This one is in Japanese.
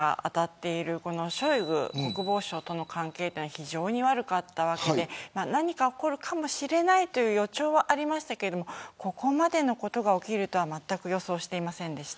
かねてより、プリゴジン氏と今回、焦点が当たっているショイグ国防相との関係は非常に悪かったわけで何か起こるかもしれないという予兆はありましたけどここまでのことが起きるとはまったく予想していませんでした。